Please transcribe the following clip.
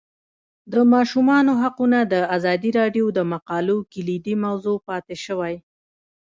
د ماشومانو حقونه د ازادي راډیو د مقالو کلیدي موضوع پاتې شوی.